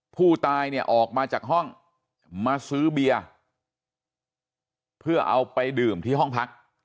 ผู้ตายเนี่ยออกมาจากห้องมาซื้อเบียร์เพื่อเอาไปดื่มที่ห้องพัก